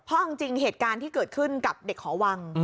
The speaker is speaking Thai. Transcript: เพราะเอาจริงเหตุการณ์ที่เกิดขึ้นกับเด็กหอวัง